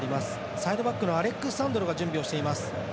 サイドバックのアレックス・サンドロが準備をしています。